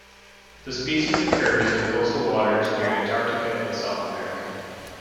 The species occurs in coastal waters near Antarctica and South America.